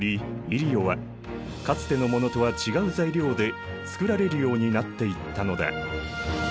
イリオはかつてのものとは違う材料で作られるようになっていったのだ。